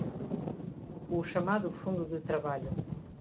O chamado fundo de trabalho